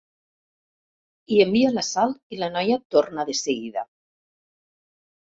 Hi envia la Sal i la noia torna de seguida.